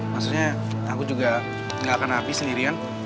maksudnya aku juga gak akan api sendirian